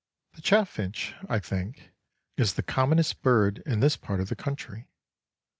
The chaffinch, I think, is the commonest bird in this part of the country.